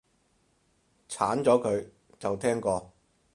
鏟咗佢，就聽過